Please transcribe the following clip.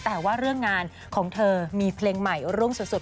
แต่ว่าเรื่องงานของเธอมีเพลงใหม่รุ่งสุด